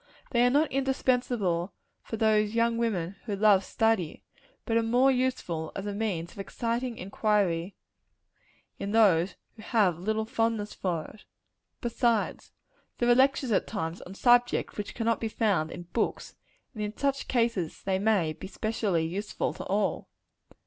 They are not indispensable to those young women who love study; but are more useful as a means of exciting inquiry in those who have very little fondness for it. Besides, there are lectures, at times, on subjects which cannot be found in books; and in such cases they may be specially useful to all.